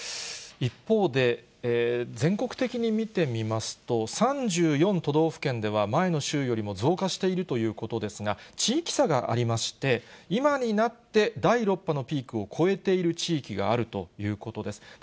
一方で、全国的に見てみますと、３４都道府県では前の週よりも増加しているということですが、地域差がありまして、今になって第６波のピークを超えている地域があるということです。